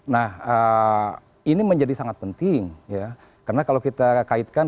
nah ini menjadi sangat penting ya karena kalau kita kaitkan